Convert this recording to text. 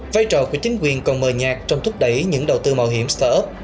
vai trò của chính quyền còn mờ nhạt trong thúc đẩy những đầu tư mạo hiểm start